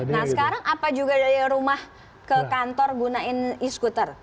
nah sekarang apa juga dari rumah ke kantor gunain e scooter